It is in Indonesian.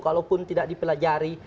kalaupun tidak dipelajari